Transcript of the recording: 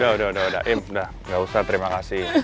udah udah udah im udah gak usah terima kasih